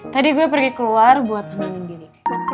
tadi gue pergi keluar buat mainin diri